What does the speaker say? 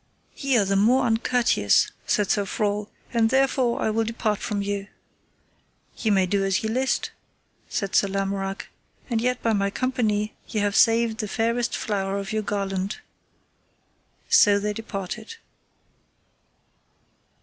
Ye are the more uncourteous, said Sir Frol, and therefore I will depart from you. Ye may do as ye list, said Sir Lamorak, and yet by my company ye have saved the fairest flower of your garland; so they departed.